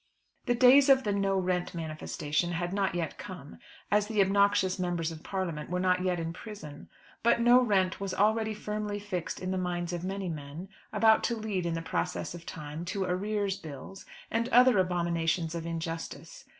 The days of the no rent manifestation had not yet come, as the obnoxious Members of Parliament were not yet in prison; but no rent was already firmly fixed in the minds of many men, about to lead in the process of time to "Arrears Bills," and other abominations of injustice.